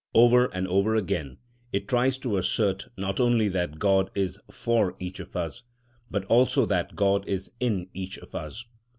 Over and over again it tries to assert, not only that God is for each of us, but also that God is in each of us.